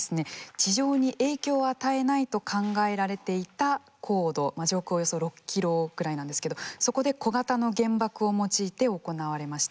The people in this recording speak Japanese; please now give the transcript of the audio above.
地上に影響を与えないと考えられていた高度上空およそ６キロぐらいなんですけどそこで小型の原爆を用いて行われました。